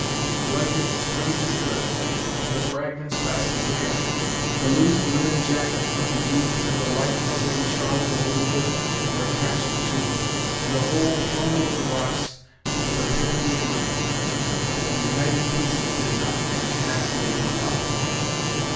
The blanket was cut into shreds, and the fragments fastened together: the loose linen jacket of the youth and the light muslin shawl of Elizabeth were attached to them, and the whole thrown over the rocks with the rapidity of lightning; but the united Pieces did not reach half way to the bottom.